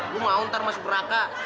lo mau ntar masuk raka